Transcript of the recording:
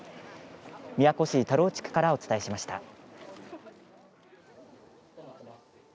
宮古市田老地区からお伝えしました。